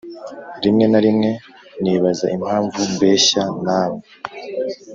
rimwe na rimwe nibaza impamvu mbeshya nawe